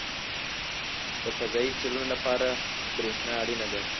• د فضایي څېړنو لپاره برېښنا اړینه ده.